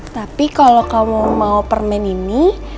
tapi kalau kamu mau permen ini